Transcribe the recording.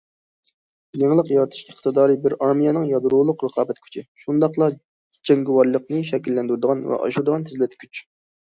يېڭىلىق يارىتىش ئىقتىدارى بىر ئارمىيەنىڭ يادرولۇق رىقابەت كۈچى، شۇنداقلا جەڭگىۋارلىقنى شەكىللەندۈرىدىغان ۋە ئاشۇرىدىغان تېزلەتكۈچ.